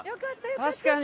確かに！